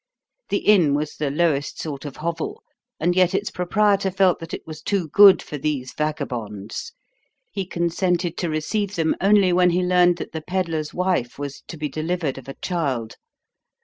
The inn was the lowest sort of hovel, and yet its proprietor felt that it was too good for these vagabonds. He consented to receive them only when he learned that the peddler's wife was to be delivered of a child.